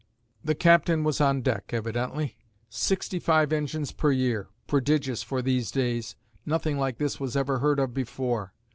The captain was on deck, evidently. Sixty five engines per year prodigious for these days nothing like this was ever heard of before.